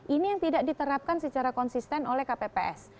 ini yang tidak diterapkan secara konsisten oleh kpps